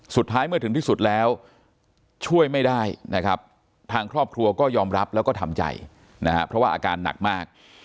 สุดท้ายเมื่อถึงที่สุดแล้วช่วยไม่ได้นะครับทางครอบครัวก็ยอมรับแล้วก็ทำใจนะฮะเพราะว่าอาการหนักมาก